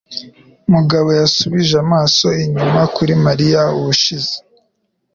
Mugabo yasubije amaso inyuma kuri Mariya ubushize.